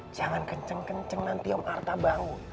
jangan kenceng kenceng nanti om arta bangun